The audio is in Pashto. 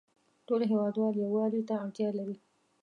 ټول هیوادوال یووالې ته اړتیا لری